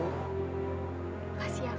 terima kasih pak